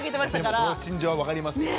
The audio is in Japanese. でもその心情は分かりますけど。